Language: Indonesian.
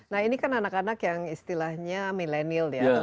nah ini kan anak anak yang istilahnya milenial ya